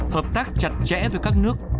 hợp tác chặt chẽ với các nước